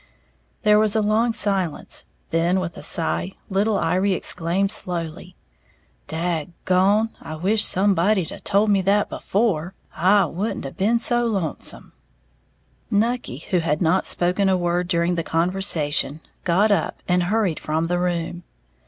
There was a long silence. Then, with a sigh, little Iry exclaimed, slowly, "Dag gone, I wisht somebody'd a told me that before, I wouldn't a been so lonesome!" Nucky, who had not spoken a word during the conversation, got up and hurried from the room.